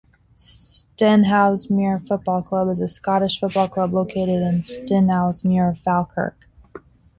Stenhousemuir Football Club is a Scottish football club located in Stenhousemuir, Falkirk.